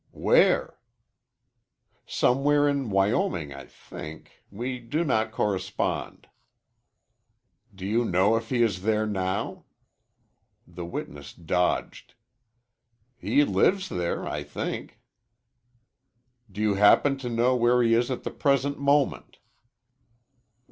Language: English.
"Where?" "Somewhere in Wyoming, I think. We do not correspond." "Do you know if he is there now?" The witness dodged. "He lives there, I think." "Do you happen to know where he is at the present moment?"